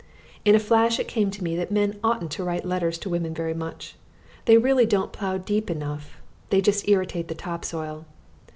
In a flash it came to me that men oughtn't to write letters to women very much they really don't plough deep enough, they just irritate the top soil.